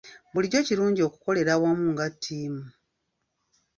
Bulijjo kirungi okukolera awamu nga ttiimu.